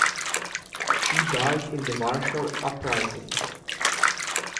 She died in the Warsaw Uprising.